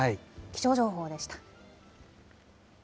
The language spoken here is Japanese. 気象情報でした。